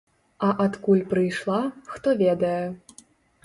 А адкуль прыйшла, хто ведае.